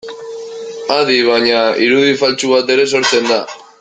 Adi baina, irudi faltsu bat ere sortzen da.